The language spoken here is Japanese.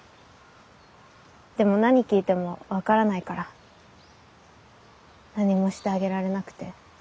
でも何聞いても分からないから何もしてあげられなくて。